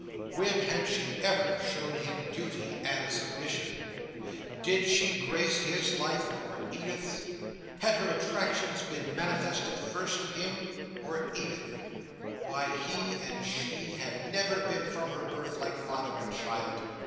When had she ever shown him duty and submission? Did she grace his life—or Edith's? Had her attractions been manifested first to him—or Edith? Why, he and she had never been, from her birth, like father and child!